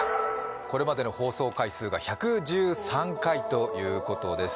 これまでの放送回数が１１３回ということです